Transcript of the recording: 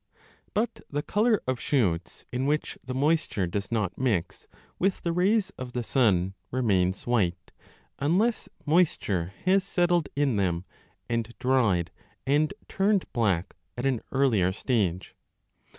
But the colour of shoots in which the moisture does not mix with the rays of the sun, remains white, unless moisture has settled in them and dried and turned black at an earlier stage.